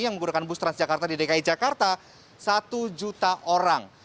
yang menggunakan bus transjakarta di dki jakarta satu juta orang